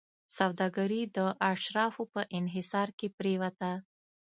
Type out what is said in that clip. سوداګري د اشرافو په انحصار کې پرېوته.